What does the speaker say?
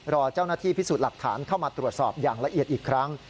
รอเจ้าหน้าที่พิสูจน์หลักฐานเข้ามาตรวจสอบอย่างละเอียดอีกครั้ง